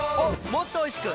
もっとおいしく！